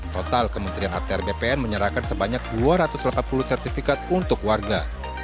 total kementerian atr bpn menyerahkan sebanyak dua ratus delapan puluh sertifikat untuk warga